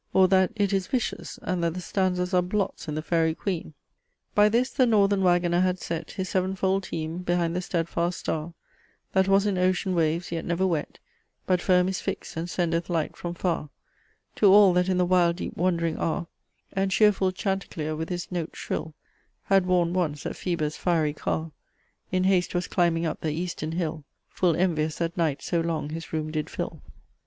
Or that it is vicious, and that the stanzas are blots in THE FAERY QUEEN? "By this the northern wagoner had set His sevenfold teme behind the stedfast starre, That was in ocean waves yet never wet, But firme is fixt and sendeth light from farre To all that in the wild deep wandering arre And chearfull chaunticlere with his note shrill Had warned once that Phoebus' fiery carre In hast was climbing up the easterne hill, Full envious that night so long his roome did fill."